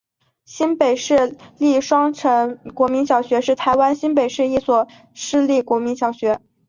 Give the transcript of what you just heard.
新北市立双城国民小学是台湾新北市一所市立国民小学。